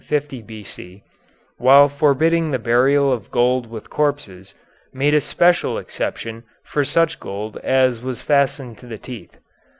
which, while forbidding the burial of gold with corpses, made a special exception for such gold as was fastened to the teeth.